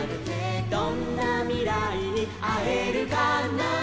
「どんなミライにあえるかな」